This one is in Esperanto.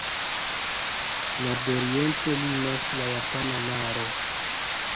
Nordoriente limas la Japana maro.